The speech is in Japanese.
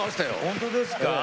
本当ですか？